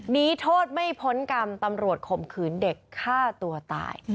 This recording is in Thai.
นี้โทษไม่พ้นกรรมตำรวจข่มขืนเด็กฆ่าตัวตาย